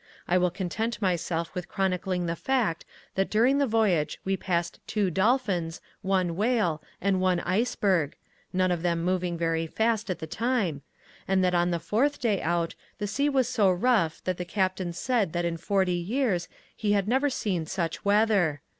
I will content myself with chronicling the fact that during the voyage we passed two dolphins, one whale and one iceberg (none of them moving very fast at the time), and that on the fourth day out the sea was so rough that the Captain said that in forty years he had never seen such weather.